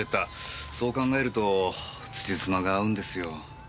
そう考えると辻褄が合うんですよ。